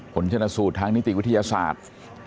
ผลชนสูตรทางนิติวิทยาศาสตร์